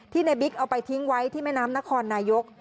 ในบิ๊กเอาไปทิ้งไว้ที่แม่น้ำนครนายก